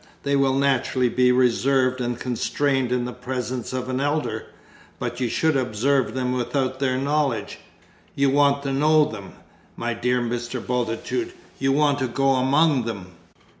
They will naturally be reserved and constrained in the presence of an elder. But you should observe them without their knowledge you want to know them, my dear Mr. Bultitude, you want to go among them!"